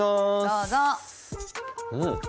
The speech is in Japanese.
どうぞ！